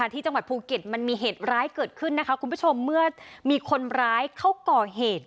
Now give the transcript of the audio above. ที่จังหวัดภูเก็ตมันมีเหตุร้ายเกิดขึ้นนะคะคุณผู้ชมเมื่อมีคนร้ายเข้าก่อเหตุ